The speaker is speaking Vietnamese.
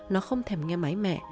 nó không thèm nghe máy mẹ